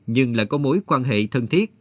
nhưng lại có mối quan hệ thân thiết